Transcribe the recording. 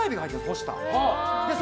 干した。